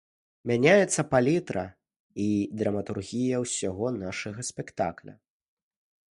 Мяняецца палітра і драматургія ўсяго нашага спектакля.